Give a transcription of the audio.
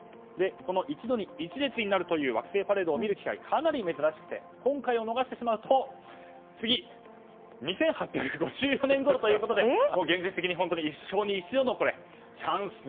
この一度に一列になるという惑星パレードを見る機会はかなり珍しくて今回を逃してしまうと次、２８５４年ごろということで現実的に一生に一度のチャンス。